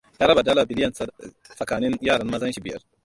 Ya raba dala miliyon tsakanin yaran mazan shi biyar.